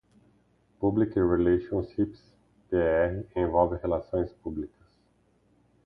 Public Relations (PR) envolve relações públicas.